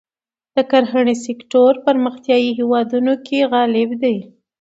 د کرهڼې سکتور پرمختیايي هېوادونو کې غالب دی.